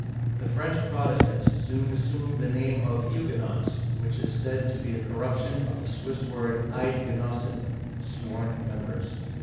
The French Protestants soon assumed the name of Hu'guenots, which is said to be a corruption of the Swiss word Eid'genossen (sworn members).